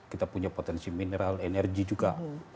kita punya potensi mineral energi juga